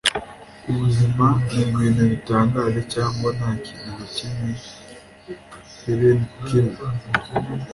ubuzima ni ibintu bitangaje cyangwa nta kintu na kimwe. - helen keller